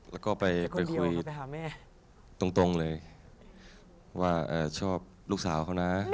แล้วก็ไปคุยตรงเลยว่าชอบลูกสาวเขานะ